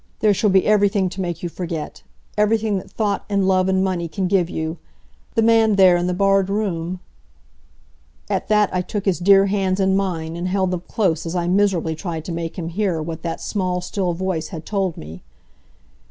There shall be everything to make you forget everything that thought and love and money can give you. The man there in the barred room " At that I took his dear hands in mine and held them close as I miserably tried to make him hear what that small, still voice had told me.